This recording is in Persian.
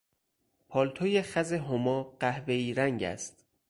پالتوی خز هما قهوهای رنگ است.